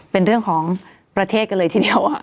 เป็นเรื่องของประเทศกันเลยทีเดียว